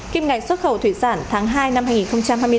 kim ngạch xuất khẩu thủy sản tháng hai năm hai nghìn hai mươi bốn